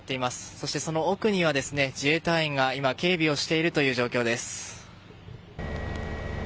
そしてその奥には自衛隊員が今、警備をしている状況です。